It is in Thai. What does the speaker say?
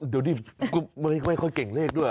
เดี๋ยวนี้ก็ไม่ค่อยเก่งเลขด้วย